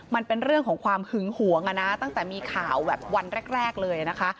มันเป็นเรื่องของความหึงหวงตั้งแต่มีข่าวแบบวันแรกเลยนะคะ